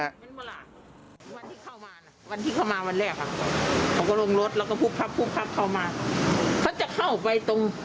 เอาเข้าเลยครั้งสุดท้ายอ่ะนะ